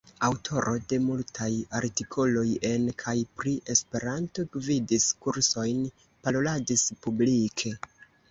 Aŭtoro de multaj artikoloj en kaj pri E, gvidis kursojn, paroladis publike.